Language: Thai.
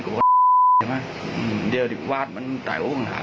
โอเคนะน้องน้า